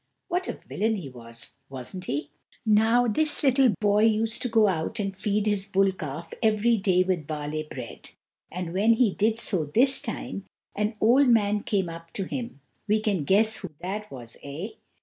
What a villain he was, wasn't he? Now this little boy used to go out and feed his bull calf every day with barley bread, and when he did so this time, an old man came up to him we can guess who that was, eh?